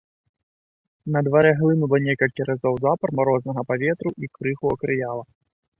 На дварэ глынула некалькі разоў запар марознага паветра і крыху акрыяла.